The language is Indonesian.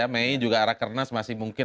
may juga arah kernas masih mungkin